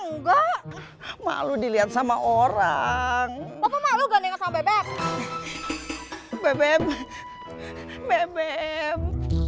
enggak malu dilihat sama orang mau gandeng sampai bebek bebek bebek